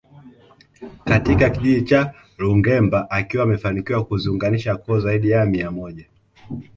Katika kijiji cha Lungemba akiwa amefanikiwa kuziunganisha koo zaidi ya mia moja